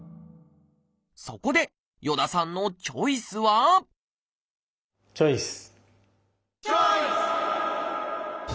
そこで与田さんのチョイスはチョイス！